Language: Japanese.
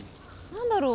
何だろう？